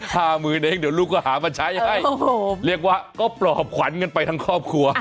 หมื่นเองเดี๋ยวลูกก็หามาใช้ให้โอ้โหเรียกว่าก็ปลอบขวัญกันไปทั้งครอบครัว